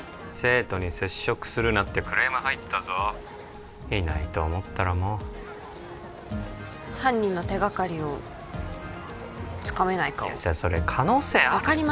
生徒に接触するなってクレーム入ったぞいないと思ったらもう犯人の手がかりをつかめないかをいやさそれ可能性ある？